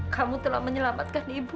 kamu telah menyelamatkan ibu